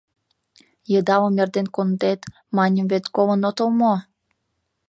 Йыдалым эрден кондет, маньым вет, колын отыл мо?